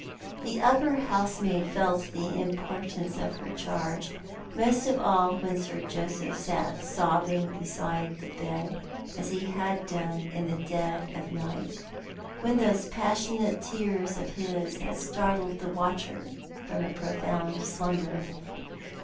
The upi^er housemaid felt the importance of her charge, most of all when Sir Joseph sat sobbing beside the bed, as he had done in the dead of the night, when those passionate tears of his had startled the watcher from a profound slumber.